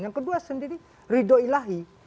yang kedua sendiri ridho ilahi